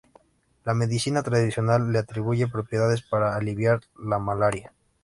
La medicina tradicional le atribuye propiedades para aliviar la malaria.